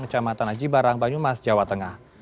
kecamatan aji barang banyumas jawa tengah